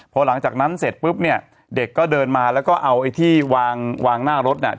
พอหลังจากนั้นเสร็จปุ๊บเนี่ยเด็กก็เดินมาแล้วก็เอาไอ้ที่วางวางหน้ารถเนี่ย